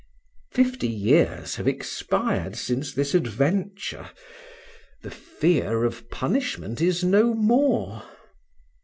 Fifty years have expired since this adventure the fear of punishment is no more.